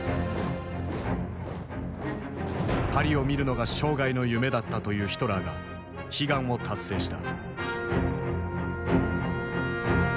「パリを見るのが生涯の夢だった」というヒトラーが悲願を達成した。